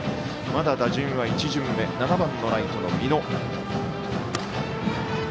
まだ、打順は１巡目７番ライトの美濃。